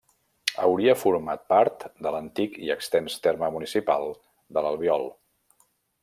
Hauria format part de l'antic i extens terme municipal de l'Albiol.